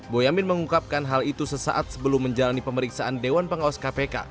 boyamin mengungkapkan hal itu sesaat sebelum menjalani pemeriksaan dewan pengawas kpk